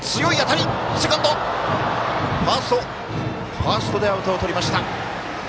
ファーストでアウトをとりました。